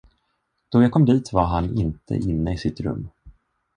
Då jag kom dit var han inte inne i sitt rum.